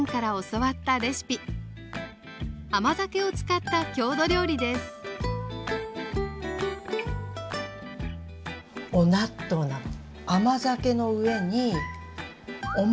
甘酒を使った郷土料理です「おなっとう」なの。